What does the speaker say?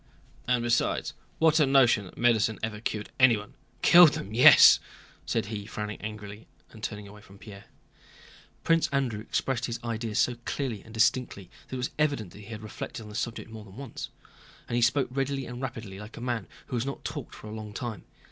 And besides, what a notion that medicine ever cured anyone! Killed them, yes!" said he, frowning angrily and turning away from Pierre. Prince Andrew expressed his ideas so clearly and distinctly that it was evident he had reflected on this subject more than once, and he spoke readily and rapidly like a man who has not talked for a long time.